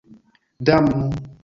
Damnu!